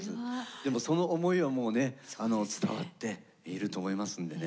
でもその思いはもうね伝わっていると思いますんでね